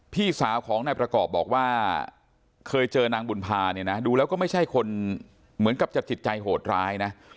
พี่สาวของนายประกอบบอกว่าเคยเจอนางบุญภาเนี่ยนะดูแล้วก็ไม่ใช่คนเหมือนกับจะจิตใจโหดร้ายนะ